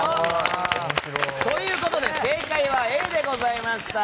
ということで正解はＡでございました。